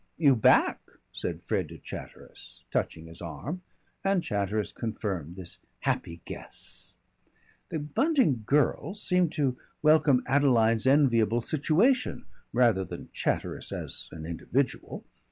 "You back?" said Fred to Chatteris, touching his arm, and Chatteris confirmed this happy guess. The Bunting girls seemed to welcome Adeline's enviable situation rather than Chatteris as an individual.